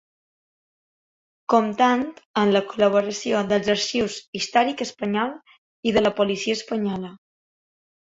Comptant amb la col·laboració dels arxius històric espanyol i de la policia espanyola.